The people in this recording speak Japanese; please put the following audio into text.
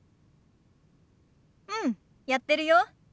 うんやってるよ。